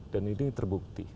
dan ini terbukti